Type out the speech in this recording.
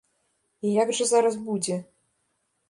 І як жа зараз будзе?